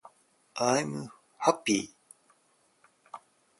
i'm happy